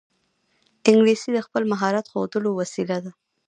انګلیسي د خپل مهارت ښودلو وسیله ده